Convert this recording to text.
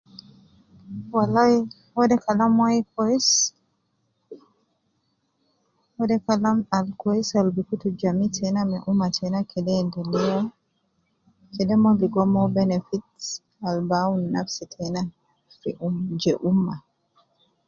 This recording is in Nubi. Walai wede kalam wai kwesi, wede kalam al kwesi al gikutu jami tena me umnma tena kede endelea, kede mon ligo more benefits al ba aun nafsi tena fi umm je umma